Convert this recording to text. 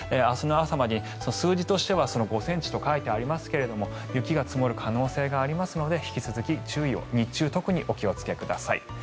明日の朝までに数字としては５ｃｍと書いてありますが雪が積もる可能性がありますので引き続き、注意を日中特にお気をつけください。